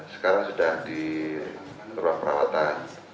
sekarang sudah di ruang perawatan